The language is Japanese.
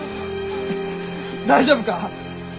大丈夫か！？